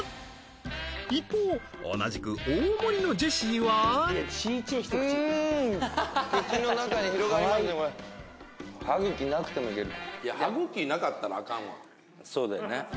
一方同じく大盛のジェシーはうんそうだよね